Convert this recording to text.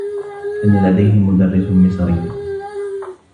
كان لديه مدرّس مصري.